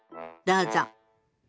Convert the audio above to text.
どうぞ。